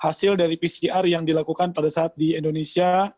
hasil dari pcr yang dilakukan pada saat di indonesia